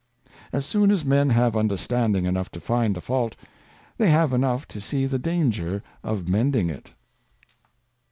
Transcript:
As soon as Men have Understanding enough to find a Fault, they have enough to see the danger of mending it.